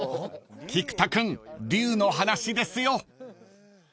［菊田君龍の話ですよ］